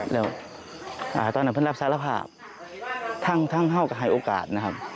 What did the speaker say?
แล้วตอนนั้นพี่รับสารภาพทั้งเฮาะก็ให้โอกาส